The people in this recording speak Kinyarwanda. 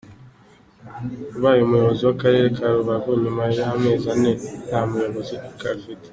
Abaye umuyobozi w’Akarere ka Rubavu nyuma y’amezi ane nta muyobozi gafite.